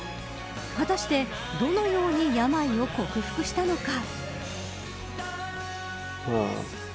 果たして、どのようにして病を克服したのか。